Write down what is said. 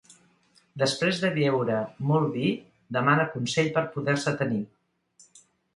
Després de beure molt vi, demana consell per poder-se tenir.